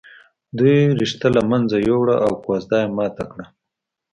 دوی رشته له منځه ويوړه او کوژده یې ماته کړه